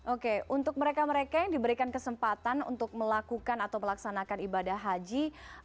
oke untuk mereka mereka yang diberikan kesempatan untuk melakukan atau melaksanakan ibadah haji